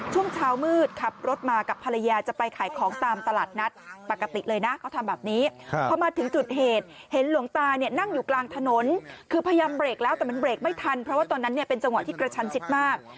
แต่มันเบล็กไม่ทันเพราะว่าตอนนั้นเป็นจังหวะที่กระชันชิดมาก